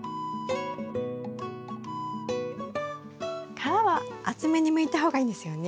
皮は厚めにむいた方がいいんですよね？